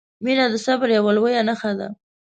• مینه د صبر یوه لویه نښه ده.